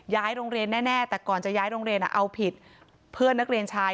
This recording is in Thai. โรงเรียนแน่แต่ก่อนจะย้ายโรงเรียนเอาผิดเพื่อนนักเรียนชาย